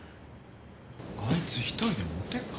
あいつ１人で持てっかな。